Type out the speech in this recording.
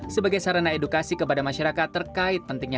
sebagai sarana edukasi kepada masyarakat terkait pentingnya